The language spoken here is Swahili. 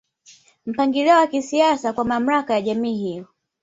Mpangilio wa kisiasa kwa mamlaka ya jamii hiyo